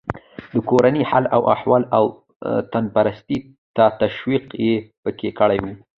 د کورني حال و احوال او وطنپرستۍ ته تشویق یې پکې کړی و.